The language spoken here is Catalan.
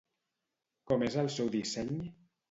Com és el seu disseny?